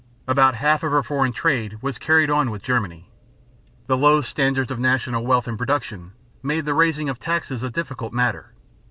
About half of her foreign trade was carried on with Germany. The low standards of national wealth and production made the raising of taxes a difficult matter.